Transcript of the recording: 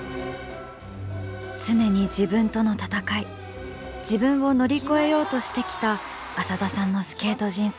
常に自分との闘い自分を乗り越えようとしてきた浅田さんのスケート人生。